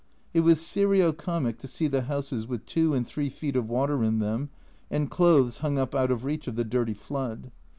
It was serio comic to see the houses with 2 and 3 feet of water in them, and clothes hung up out of reach of the dirty flood.